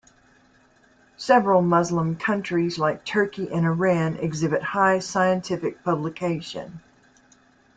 Several Muslim countries like Turkey and Iran exhibit high scientific publication.